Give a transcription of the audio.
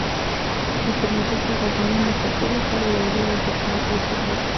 ځمکنی شکل د افغانانو د تفریح لپاره یوه ډېره ګټوره وسیله ده.